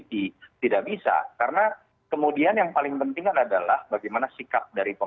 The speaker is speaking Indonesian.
tetap bersama kami di cnn indonesian newsroom